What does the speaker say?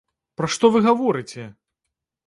Пра што вы гаворыце!